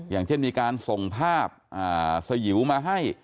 อย่างเช่นมีการส่งภาพสยิวมาให้